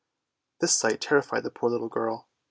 This sight terrified the poor little girl.